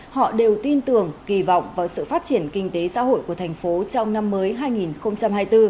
họ đều tin tưởng kỳ vọng vào sự phát triển kinh tế xã hội của thành phố trong năm mới hai nghìn hai mươi bốn